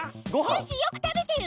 シュッシュよくたべてる。